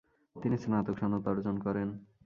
তিনি স্নাতক সনদ অর্জন করেন।